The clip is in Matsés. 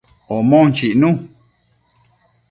Omon chicnu